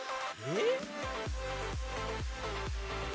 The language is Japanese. えっ？